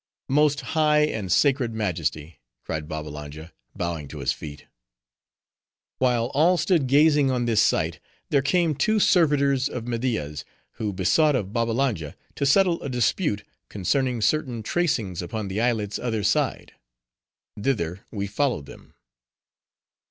"Most high and sacred majesty!" cried Babbalanja, bowing to his feet. While all stood gazing on this sight, there came two servitors of Media's, who besought of Babbalanja to settle a dispute, concerning certain tracings upon the islet's other side. Thither we followed them.